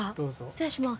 失礼します。